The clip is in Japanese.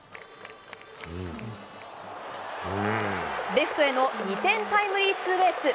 レフトへの２点タイムリーツーベース。